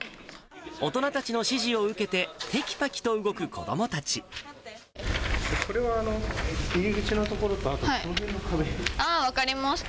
大人たちの指示を受けて、これはあの入り口の所と、あー、分かりました。